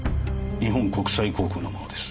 日本国際航空のものです。